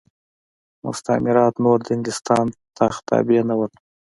مستعمرات نور د انګلستان تخت تابع نه وو.